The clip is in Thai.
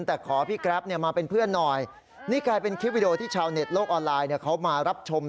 แต่ขอพี่กราฟเนี่ยมาเป็นเพื่อนหน่อยนี่กลายเป็นคลิปที่ชาวเน็ตโลกออนไลน์เนี่ยเขามารับชมแล้ว